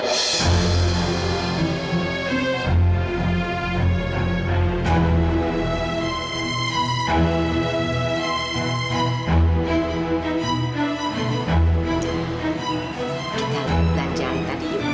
kita belajar tadi yuk